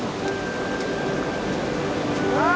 ああ！